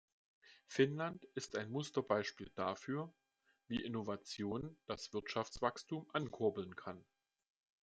Finnland ist ein Musterbeispiel dafür, wie Innovation das Wirtschaftswachstum ankurbeln kann.